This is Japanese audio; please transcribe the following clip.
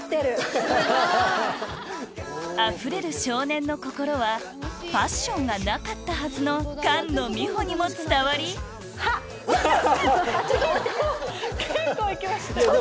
あふれる少年の心はパッションがなかったはずの菅野美穂にも伝わりちょっと待って。